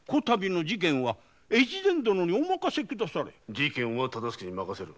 事件は大岡に任せる。